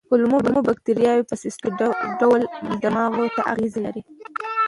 کولمو بکتریاوې په مستقیم ډول دماغ ته اغېز لري.